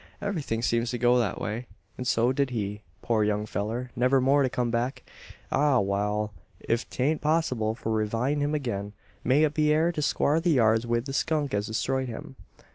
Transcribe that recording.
Everything seems to go that way; an so did he, poor young fellur never more to come back. Ah, wal! ef t'aint possible to ree vive him agin, may be it air to squar the yards wi' the skunk as destroyed him.